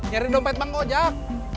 cari dompet bangko jak